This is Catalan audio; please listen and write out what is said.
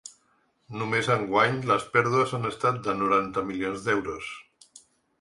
Només enguany les pèrdues han estat de noranta milions d’euros.